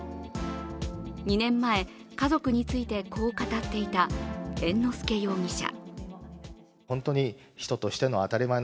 ２年前、家族についてこう語っていた猿之助容疑者。